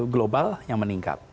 global yang meningkat